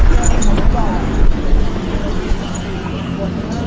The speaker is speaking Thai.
วันนี้เราจะมาจอดรถที่แรงละเห็นเป็น